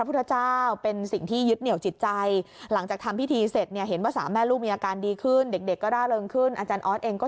สบายใจขึ้นเหมือนกันนะคะ